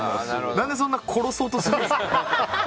何でそんな殺そうってするんですか。